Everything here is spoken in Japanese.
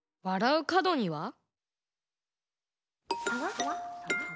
わらうかどには？